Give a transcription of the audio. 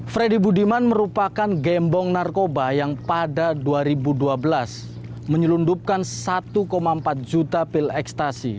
freddy budiman merupakan gembong narkoba yang pada dua ribu dua belas menyelundupkan satu empat juta pil ekstasi